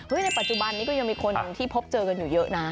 ในปัจจุบันนี้ก็ยังมีคนที่พบเจอกันอยู่เยอะนะ